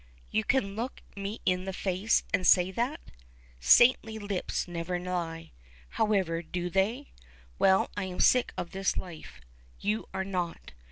You can look me in the face and say that! Saintly lips never lie, however, do they? Well, I'm sick of this life; you are not.